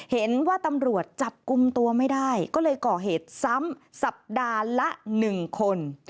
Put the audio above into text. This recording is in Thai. เห็นว่าตำรวจจับกลุ่มตัวไม่ได้ก็เลยก่อเหตุซ้ำสัปดาห์ละ๑คน